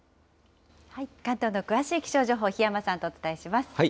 関東の詳しい気象情報、檜山さんとお伝えします。